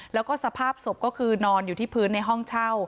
แล้วก็สภาพศพก็คือนอนอยู่ที่พื้นในห้องเช่า